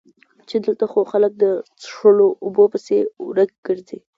چې دلته خو خلک د څښلو اوبو پسې ورک ګرځي